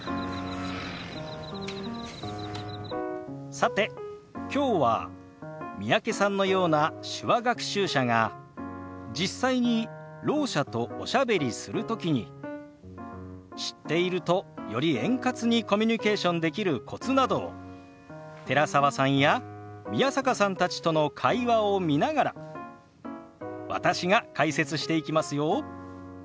さてきょうは三宅さんのような手話学習者が実際にろう者とおしゃべりする時に知っているとより円滑にコミュニケーションできるコツなどを寺澤さんや宮坂さんたちとの会話を見ながら私が解説していきますよ。